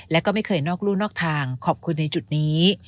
และก็ไม่เคยนอกรู่นอกทางขอบคุณในจุดนี้